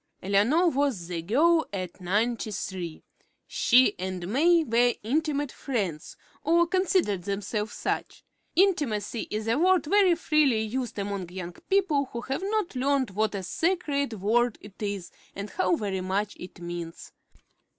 Eleanor was the girl at Ninety three. She and May were intimate friends, or considered themselves such. Intimacy is a word very freely used among young people who have not learned what a sacred word it is and how very much it means.